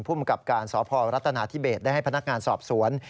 มกับการสพรัฐนาธิเบสได้ให้พนักงานสอบสวน